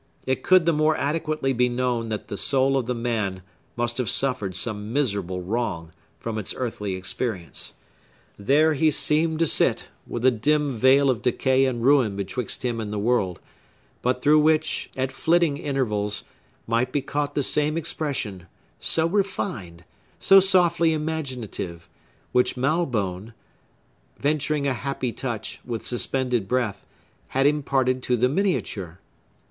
It could the more adequately be known that the soul of the man must have suffered some miserable wrong, from its earthly experience. There he seemed to sit, with a dim veil of decay and ruin betwixt him and the world, but through which, at flitting intervals, might be caught the same expression, so refined, so softly imaginative, which Malbone—venturing a happy touch, with suspended breath—had imparted to the miniature!